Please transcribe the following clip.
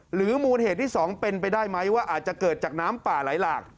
มูลเหตุที่๒เป็นไปได้ไหมว่าอาจจะเกิดจากน้ำป่าไหลหลาก